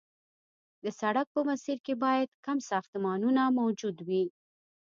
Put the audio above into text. د سړک په مسیر کې باید کم ساختمانونه موجود وي